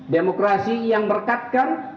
demokrasi yang berkatkan